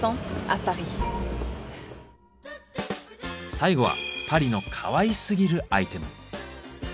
最後はパリのかわいすぎるアイテム。